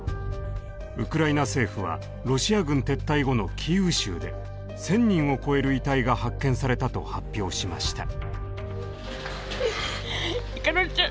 ウクライナ政府はロシア軍撤退後のキーウ州で１，０００人を超える遺体が発見されたと発表しました。